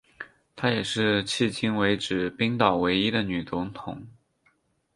她也是迄今为止冰岛唯一的女总统。